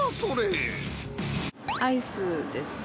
アイスです。